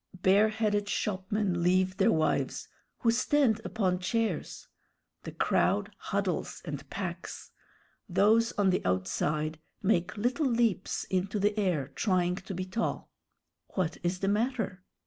Bareheaded shopmen leave their wives, who stand upon chairs. The crowd huddles and packs. Those on the outside make little leaps into the air, trying to be tall. "What is the matter?"